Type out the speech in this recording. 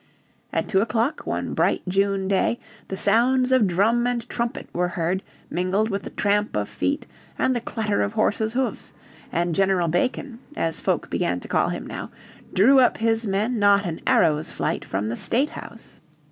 At two o'clock one bright June day the sounds of drum and trumpet were heard mingled with the tramp of feet and the clatter of horses' hoofs; and General Bacon, as folk began to call him now, drew up his men not an arrow's flight from the State House.